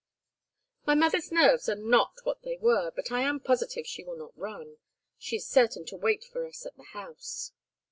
"My mother's nerves are not what they were, but I am positive she will not run. She is certain to wait for us at the house."